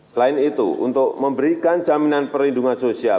selain itu untuk memberikan jaminan perlindungan sosial